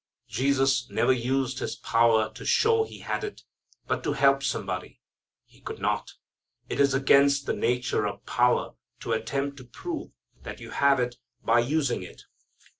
Jesus never used His power to show He had it, but to help somebody. He could not. It is against the nature of power to attempt to prove that you have it by using it.